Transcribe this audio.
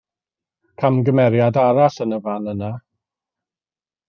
Camgymeriad arall yn y fan yna.